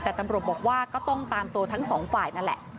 แต่ตำรวจบอกว่าก็ต้องตามตัวทั้งสองฝ่ายนั่นแหละ